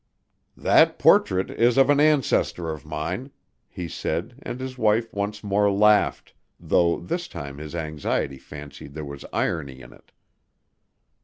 "That portrait is of an ancestor of mine," he said and his wife once more laughed, though this time his anxiety fancied there was irony in it.